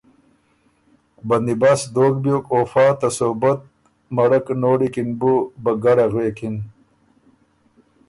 بندیبست دوک بیوک او فا ته سوبت مړک نوړی کی ن بو ”بګړّه“ غوېکِن